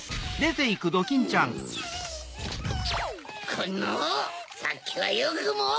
このさっきはよくも！